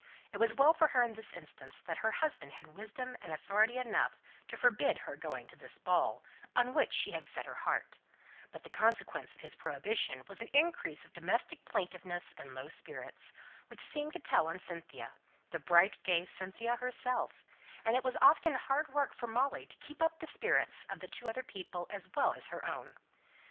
It was well for her in this instance that her husband had wisdom and authority enough to forbid her going to this ball, on which she had set her heart; but the consequence of his prohibition was an increase of domestic plaintiveness and low spirits, which seemed to tell on Cynthia the bright gay Cynthia herself and it was often hard work for Molly to keep up the spirits of two other people as well as her own.